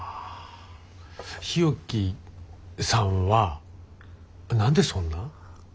日置さんは何でそんな？